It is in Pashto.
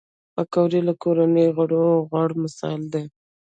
پکورې له کورني خوړو غوره مثال دی